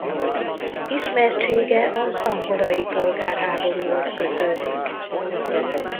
Ismertsége az angolai polgárháborúhoz kötődik.